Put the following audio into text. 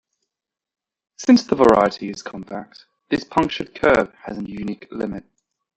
Since the variety is compact, this punctured curve has a unique limit point.